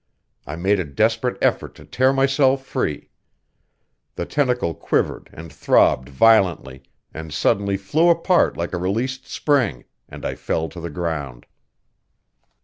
I made a desperate effort to tear myself free. The tentacle quivered and throbbed violently, and suddenly flew apart like a released spring, and I fell to the ground.